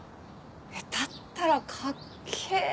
えっだったらかっけぇ！